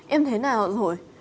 em thế nào rồi